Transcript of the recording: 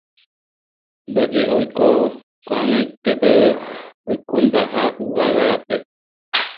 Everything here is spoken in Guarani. ndaje oiko ko'ag̃aite peve oikundaha yvága rape